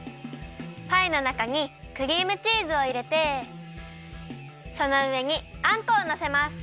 パイのなかにクリームチーズをいれてそのうえにあんこをのせます！